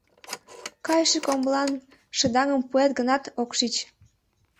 Кайше комбылан шыдаҥым пуэт гынат, ок шич.